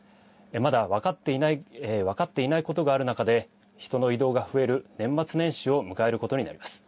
まだ分かっていないことがある中で人の移動が増える年末年始を迎えることになります。